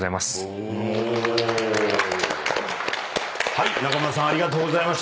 はい中村さんありがとうございました。